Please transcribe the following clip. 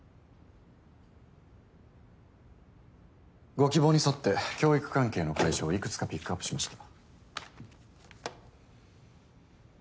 ご希望に沿って教育関係の会社をいくつかピックアップしました。